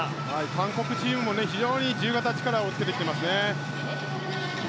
韓国チームも非常に自由形で力をつけてきています。